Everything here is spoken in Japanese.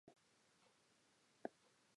奈良県広陵町